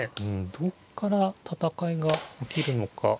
どっから戦いが起きるのかこのあと。